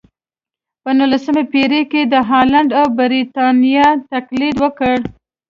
په نولسمه پېړۍ کې یې د هالنډ او برېټانیا تقلید وکړ.